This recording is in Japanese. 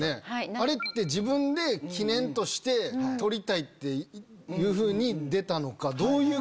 あれって自分で記念として撮りたいって出たのか。